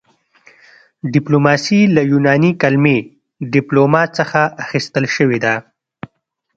ډیپلوماسي له یوناني کلمې ډیپلوما څخه اخیستل شوې ده